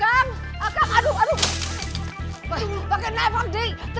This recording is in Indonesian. akan akan aduh aduh